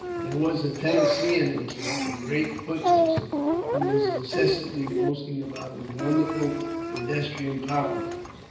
There was a Tennesseean in camp, a great foot racer, who was incessantly boasting about his wonderful pedestrian powers.